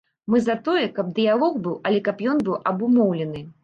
Мы за тое, каб дыялог быў, але каб ён быў абумоўлены.